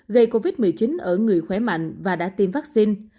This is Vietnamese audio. gây covid một mươi chín ở người khỏe mạnh và đã tiêm vaccine